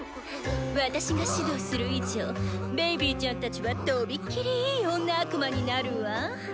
私が指導する以上ベイビーちゃんたちはとびきりいい女悪魔になるわ。